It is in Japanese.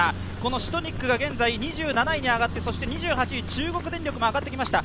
シトニックが現在２７位に上がって、２８位中国電力も上がってきました。